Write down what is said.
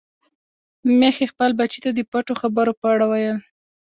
ميښې خپل بچي ته د پټو خبرو په اړه ویل.